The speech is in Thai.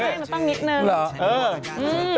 เต้นมันต้องนิดหนึ่ง